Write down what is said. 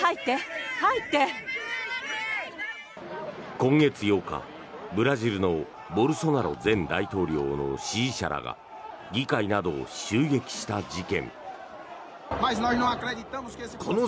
今月８日、ブラジルのボルソナロ前大統領の支持者らが議会などを襲撃した事件。